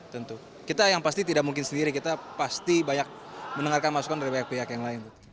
tentu kita yang pasti tidak mungkin sendiri kita pasti banyak mendengarkan masukan dari banyak pihak yang lain